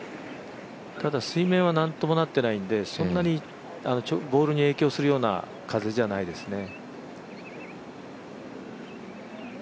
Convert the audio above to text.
ただ水面はなんともなってないんでそんなにボールに影響するような風じゃないですね。